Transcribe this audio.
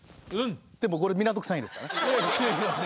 これ港区３位ですから。